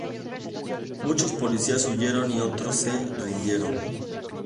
Muchos policías huyeron y otros se rindieron.